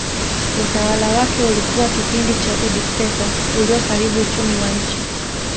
Utawala wake ulikuwa kipindi cha udikteta ulioharibu uchumi wa nchi